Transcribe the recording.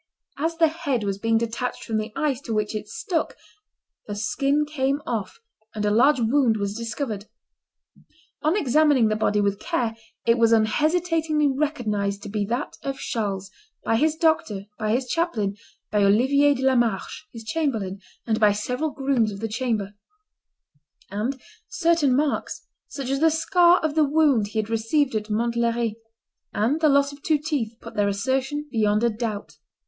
As the head was being detached from the ice to which it stuck, the skin came off, and a large wound was discovered. On examining the body with care, it was unhesitatingly recognized to be that of Charles, by his doctor, by his chaplain, by Oliver de la Marche, his chamberlain, and by several grooms of the chamber; and certain marks, such as the scar of the wound he had received at Montlhery, and the loss of two teeth, put their assertion beyond a doubt.